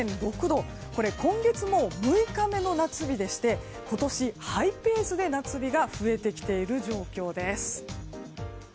今月、もう６日目の夏日でして今年ハイペースで夏日が増えてきている状況です。